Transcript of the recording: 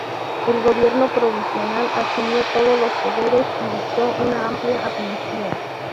El Gobierno provisional asumió todos los poderes y dictó una amplia amnistía.